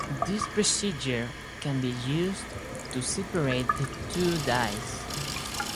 This procedure can be used to separate the two dyes.